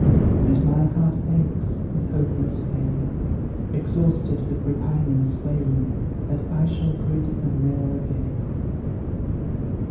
And my heart aches, in hopeless pain, Exhausted with repinings vain, That I shall greet them ne'er again!"